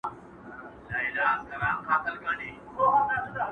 پوښتني لا هم ژوندۍ پاتې کيږي تل,